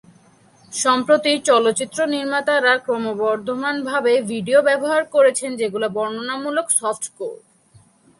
সম্প্রতি, চলচ্চিত্র নির্মাতারা ক্রমবর্ধমানভাবে ভিডিও ব্যবহার করেছেন, যেগুলো বর্ণনামূলক সফট-কোর।